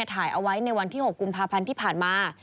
ถ่ายเอาไว้ในวันที่๖กุมภาพันธ์ที่ผ่านมา